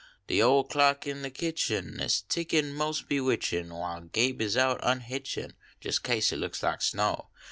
. De ole clock in de kitchen Is tickin inos bevvitchin , While (kibe is out unhitchin Just kase it looks like snow.